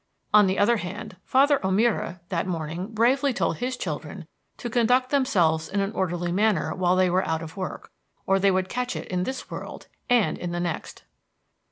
On the other hand, Father O'Meara that morning bravely told his children to conduct themselves in an orderly manner while they were out of work, or they would catch it in this world and in the next.